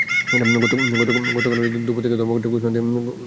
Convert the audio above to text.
গতকাল বুধবার দুপুর থেকে ধর্মঘটের ঘোষণা দিয়ে নগরে মাইকিং করা হয়।